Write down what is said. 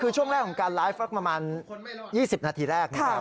คือช่วงแรกของการไลฟ์ประมาณ๒๐นาทีแรก